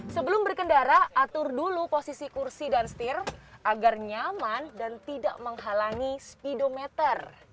sebelum berkendara atur dulu posisi kursi dan setir agar nyaman dan tidak menghalangi speedometer